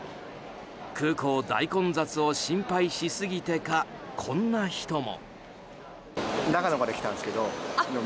空港大混雑を心配しすぎてかこんな人も。